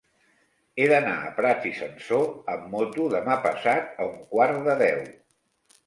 He d'anar a Prats i Sansor amb moto demà passat a un quart de deu.